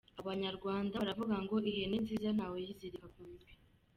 Abanyarwanda baravuga ngo “Ihene nziza ntawuyizirika ku mbi”.